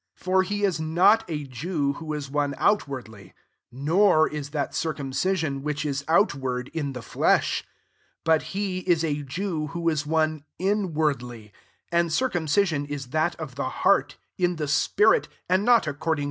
28 For he is not a Jew, who is one outwardly ; nor is that cir cumcision, which is outward, in the flesh : 29 but he is a Jew, who is one inwardly ; and cir cumcision is that of the heart, in the spirit, and not according •Gr.